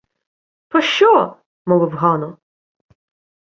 — Пощо? — мовив Гано.